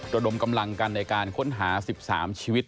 ระดมกำลังกันในการค้นหา๑๓ชีวิต